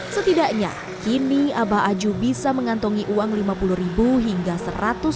setidaknya kini abah aju bisa mengantongi uang lima puluh ribu hingga seratus ribu